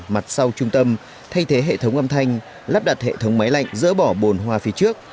mặt sau trung tâm thay thế hệ thống âm thanh lắp đặt hệ thống máy lạnh dỡ bỏ bồn hoa phía trước